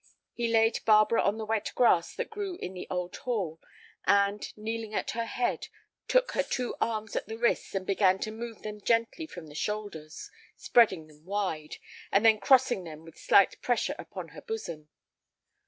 He laid Barbara on the wet grass that grew in the old hall, and, kneeling at her head, took her two arms at the wrists and began to move them gently from the shoulders, spreading them wide, and then crossing them with slight pressure upon her bosom.